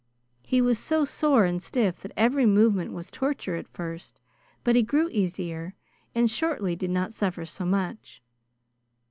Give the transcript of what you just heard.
He was so sore and stiff that every movement was torture at first, but he grew easier, and shortly did not suffer so much.